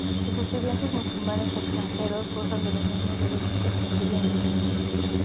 Los estudiantes musulmanes extranjeros gozan de los mismos derechos que los estudiantes egipcios.